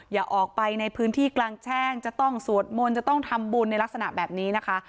อย่าออกไปในพื้นที่กลางแช่งจะต้องสวดมนต์จะต้องทำบุญในลักษณะแบบนี้นะคะ